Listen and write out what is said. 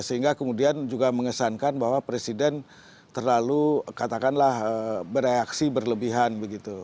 sehingga kemudian juga mengesankan bahwa presiden terlalu katakanlah bereaksi berlebihan begitu